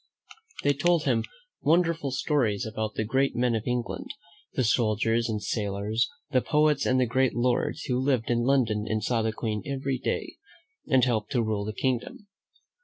They told him wonderful stories about the great men of England, the soldiers and sailors, the poets and the great lords who lived in London and saw the Queen every day, and helped to rule the kingdom.